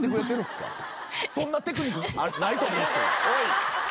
そんなテクニックないと思うんですけど。